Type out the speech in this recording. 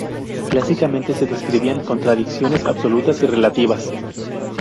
Clásicamente se describían contraindicaciones absolutas y relativas.